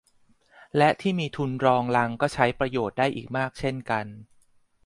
และที่มีทุนรองรังก็ใช้ประโยชน์ได้อีกมากเช่นกัน